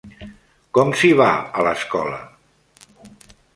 Com s'hi va, a l'escola?